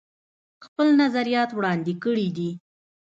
خپل نظريات وړاندې کړي دي